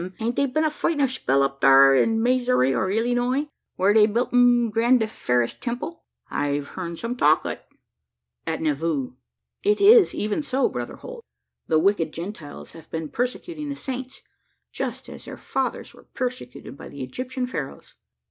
Hain't they been a fightin' a spell up thur in Massouray or Illinoy, whar they built 'em a grandiferous temple? I've hearn some talk o't." "At Nauvoo. It is even so, Brother Holt the wicked Gentiles have been persecuting the Saints: just as their fathers were persecuted by the Egyptian Pharaohs."